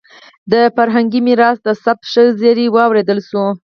د فرهنګي میراث د ثبت ښه زېری واورېدل شو.